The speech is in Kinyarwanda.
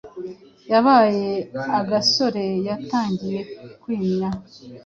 yabaye agasore yatangiye kwimya,